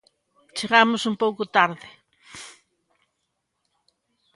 Chegamos un pouco tarde.